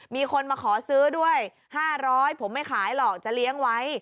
มีคนมาขอซื้อด้วย๕๐๐ผมไม่ขายหรอกจะเลี้ยงไว้